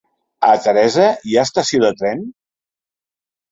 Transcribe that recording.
A Teresa hi ha estació de tren?